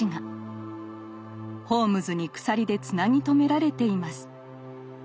ホームズに鎖でつなぎ止められています。